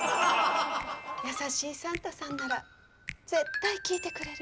「優しいサンタさんなら絶対聞いてくれる」。